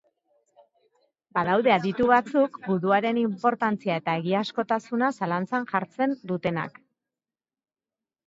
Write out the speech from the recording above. Badaude aditu batzuk guduaren inportantzia eta egiazkotasuna zalantzan jartzen dutenak.